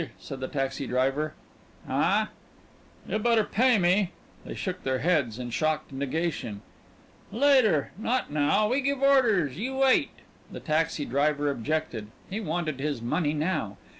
said the taxi driver. "Huh?" "You better pay me." They shook their heads in shocked negation. "Later, not now we give orders, you wait." The taxi driver objected; he wanted his money now.